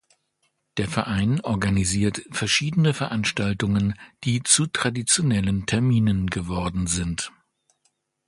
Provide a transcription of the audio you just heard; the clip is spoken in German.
Der Verein organisiert verschiedene Veranstaltungen, die zu traditionellen Terminen geworden sind.